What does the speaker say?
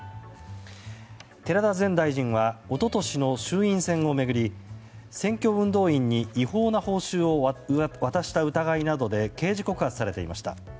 寺田前大臣は一昨年の衆院選を巡り選挙運動員に違法な報酬を渡した疑いなどで刑事告発されていました。